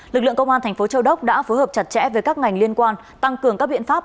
lực lượng công an thành phố châu đốc đã phối hợp chặt chẽ với các ngành liên quan tăng cường các biện pháp